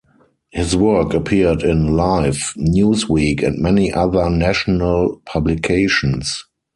His work appeared in "Life", "Newsweek" and many other national publications.